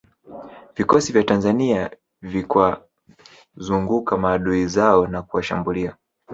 Vikosi vya Tanzania vikwazunguka maadui zao na kuwashambulia